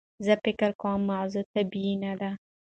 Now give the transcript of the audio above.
زه فکر کوم موضوع طبیعي نده.